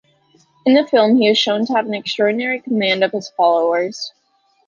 In the film he is shown to have an extraordinary command of his followers.